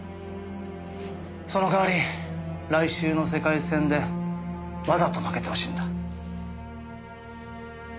その代わり来週の世界戦でわざと負けてほしいんだ。